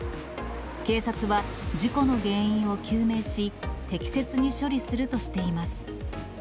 警察は事故の原因を究明し、適切に処理するとしています。